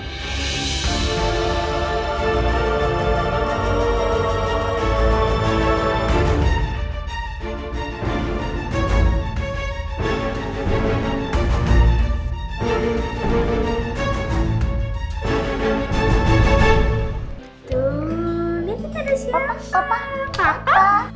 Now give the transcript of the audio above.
lihat kita ada siang